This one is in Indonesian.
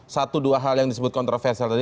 satu dua hal yang disebut kontroversial tadi